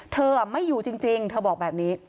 เธอไม่อยู่จริงเธอบอกแบบนี้